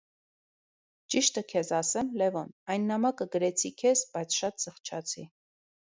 Ճիշտը քեզ ասեմ, Լևոն, այն նամակը գրեցի քեզ, բայց շատ զղջացի: